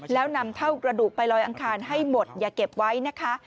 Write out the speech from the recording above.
แล้วนำเท่ากระดูกไปลอยอังคารให้หมดอย่าเก็บไว้นะคะ